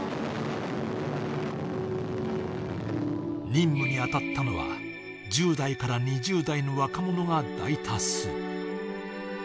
任務に当たったのは、１０代から２０代の若者が大多数。